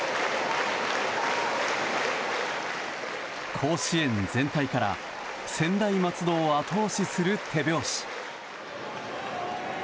甲子園全体から専大松戸を後押しする手拍子。